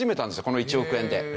この１億円で。